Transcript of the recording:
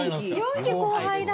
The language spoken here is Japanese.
４期後輩だ。